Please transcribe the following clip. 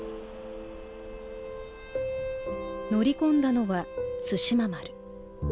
乗り込んだのは対馬丸。